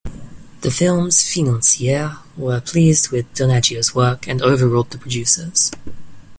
The film's financiers were pleased with Donaggio's work and overruled the producers.